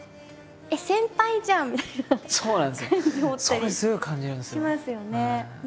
それすごい感じるんですよ。